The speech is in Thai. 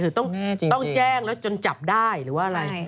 คือต้องแจ้งแล้วจนจับได้หรือว่าอะไร